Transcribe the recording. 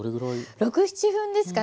６７分ですかね。